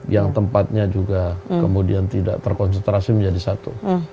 yang tempatnya juga kemudian tidak terkonsentrasi menjadi satu